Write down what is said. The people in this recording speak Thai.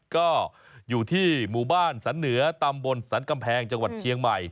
ก็อยู่ที่หมู่บ้านสันเหนือตำบลสันกำแพงจังหวัดเชียงใหม่